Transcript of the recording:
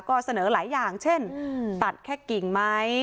ก็เสนอหลายอย่างเช่นตัดแค่กิ่งไหม